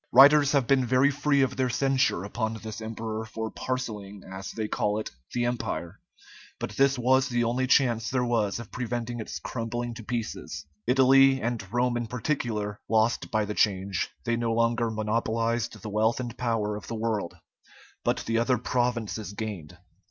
Writers have been very free of their censure upon this emperor for parcelling, as they call it, the Empire; but this was the only chance there was of preventing its crumbling to pieces. Italy, and Rome in particular, lost by the change: they no longer monopolized the wealth and power of the world, but the other provinces gained.